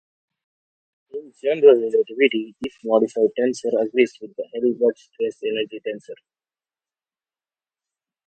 In general relativity, this modified tensor agrees with the Hilbert stress-energy tensor.